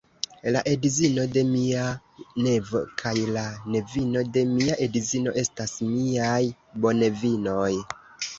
La edzino de mia nevo kaj la nevino de mia edzino estas miaj bonevinoj.